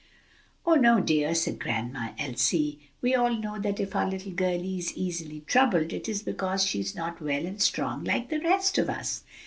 "Oh no, dear!" said Grandma Elsie, "we all know that if our little girlie is easily troubled, it is because she is not well and strong like the rest of us."